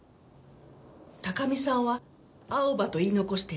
高見さんはアオバと言い残して亡くなりました。